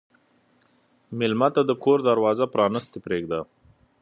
مېلمه ته د کور دروازه پرانستې پرېږده.